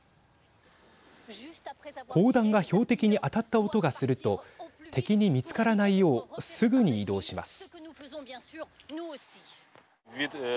砲弾が標的に当たった音がすると敵に見つからないようすぐに移動します。